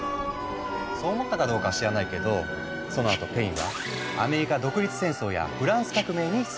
そう思ったかどうかは知らないけどそのあとペインはアメリカ独立戦争やフランス革命に参加。